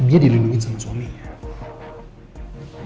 dia dirindungin sama suaminya